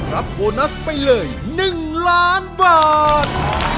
รับโบนัสไปเลย๑ล้านบาท